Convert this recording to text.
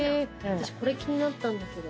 私これ気になったんだけど。